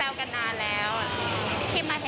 ไม่น่าทัน